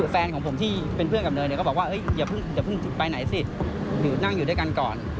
แฟนของผมที่เป็นเพื่อนกับเนยเนี่ยก็บอกว่าอย่าเพิ่งไปไหนสินั่งอยู่ด้วยกันก่อน